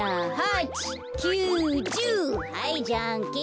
はいじゃんけん。